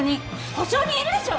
保証人いるでしょ！